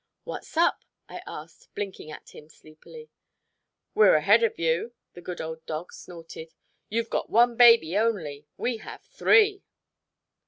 "What's up?" I asked, blinking at him sleepily. "We're ahead of you," the good old dog snorted "you've got one baby only. We have three."